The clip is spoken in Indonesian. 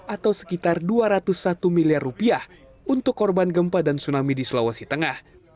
atau sekitar dua ratus satu miliar rupiah untuk korban gempa dan tsunami di sulawesi tengah